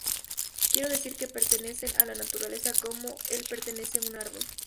Quiero decir que pertenecen a la naturaleza, como le pertenece un árbol.